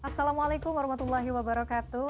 assalamualaikum warahmatullahi wabarakatuh